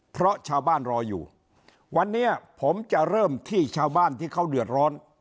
เพราะชาวบ้านรออยู่วันนี้ผมจะเริ่มที่ชาวบ้านที่เขาเดือดร้อน